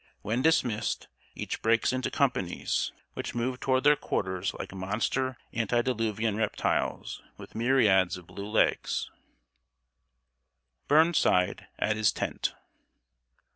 When dismissed, each breaks into companies, which move toward their quarters like monster antediluvian reptiles, with myriads of blue legs. [Sidenote: BURNSIDE AT HIS TENT.